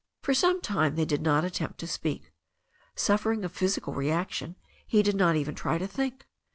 For some time they did not attempt to speak. Suffering a physical reaction, he did not even try to think.